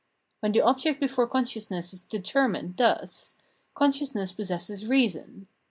Wlien tlie object before consciousness is determined thus, con sciousness possesses reason.